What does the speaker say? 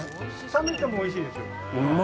冷めてもおいしいです。